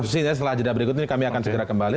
setelah jeda berikut ini kami akan segera kembali